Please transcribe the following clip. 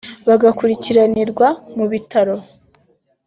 bagakurikiranirwa mu bitaro